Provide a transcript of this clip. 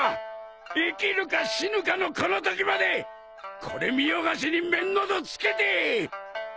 生きるか死ぬかのこのときまでこれみよがしに面など着けて！